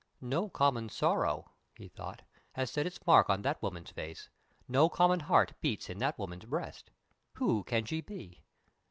"No common sorrow," he thought, "has set its mark on that woman's face; no common heart beats in that woman's breast. Who can she be?"